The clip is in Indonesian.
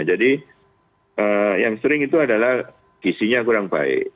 jadi yang sering itu adalah isinya kurang baik